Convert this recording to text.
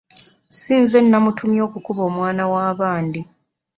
Si nze namutumye okukuba omwana wa bandi.